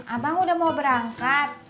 abang udah mau berangkat